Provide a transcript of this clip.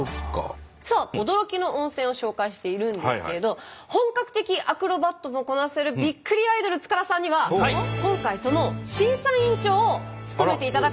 さあ驚きの温泉を紹介しているんですけれど本格的アクロバットもこなせるびっくりアイドル塚田さんには今回その審査員長を務めていただこうと思います。